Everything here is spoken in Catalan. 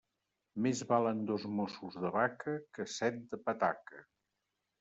Més valen dos mossos de vaca que set de pataca.